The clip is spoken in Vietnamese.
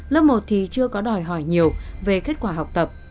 lớp một thì chưa có đòi hỏi nhiều về kết quả học tập